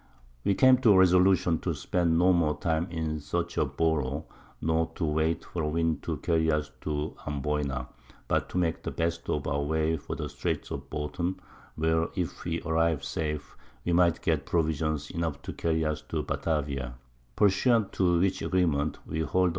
We came to a Resolution to spend no more Time in search of Bouro, nor to wait for a Wind to carry us to Amboyna, but to make the best of our way for the Straights of Bouton, where if we arrived safe, we might get Provisions enough to carry us to Batavia; pursuant to which Agreement we hall'd away S.